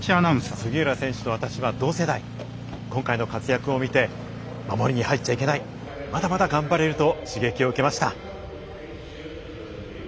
杉浦選手と私は同世代今回の活躍を見て守りに入っちゃいけないまだまだ頑張れると刺激を受けました。